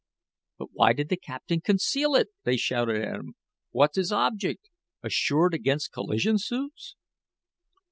"But why did the captain conceal it?" they shouted at him. "What's his object assured against collision suits?"